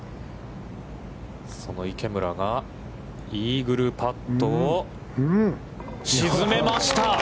その池村が、イーグルパットを沈めました。